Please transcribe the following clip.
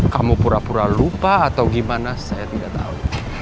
kamu pura pura lupa atau gimana saya tidak tahu